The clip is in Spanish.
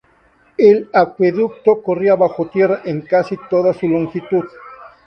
El acueducto corría bajo tierra en casi toda su longitud.